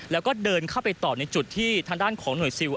แล้วก็เดินเข้าไปต่อในจุดที่ทางด้านของหน่วยซิล